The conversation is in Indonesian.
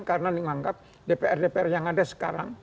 karena menganggap dpr dpr yang ada sekarang